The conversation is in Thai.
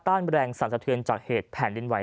ตนแรงสรรสะเทือนจากเหตุแผ่นดินไห